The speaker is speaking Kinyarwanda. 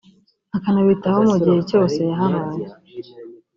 akanabitaho mu gihe cyose yahabaye